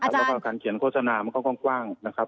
แล้วก็การเขียนโฆษณามันก็กว้างนะครับ